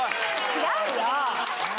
違うよ！